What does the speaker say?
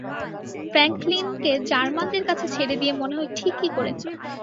ফ্র্যাঙ্কলিনকে জার্মানদের কাছে ছেড়ে দিয়ে মনে হয় ঠিকই করেছো।